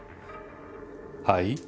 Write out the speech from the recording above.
はい。